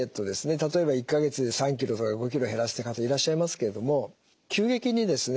例えば１か月で３キロとか５キロ減らしてる方いらっしゃいますけれども急激にですね